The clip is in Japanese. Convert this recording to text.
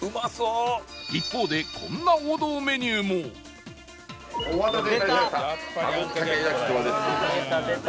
一方でこんな王道メニューも出た出た。